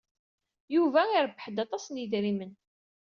Yuba irebbeḥ-d aṭas n yedrimen.